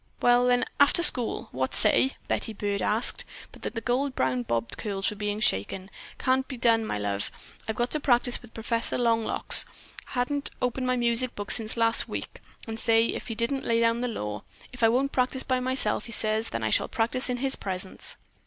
"Well then, after school. What say?" Betty Byrd asked, but the gold brown bobbed curls were being shaken. "Can't be done, my love. I've got to practice with Professor Long locks. Hadn't opened my music book since last week, and say, but didn't he lay down the law! If I won't practice by myself," says he, "then I shall practice in his presence."